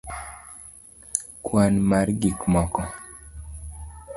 kwan mar gik moko?